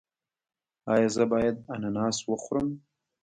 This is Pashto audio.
ایا زه باید اناناس وخورم؟